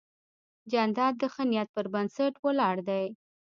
جانداد د ښه نیت پر بنسټ ولاړ دی.